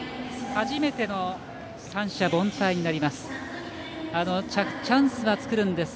初めての三者凡退になります。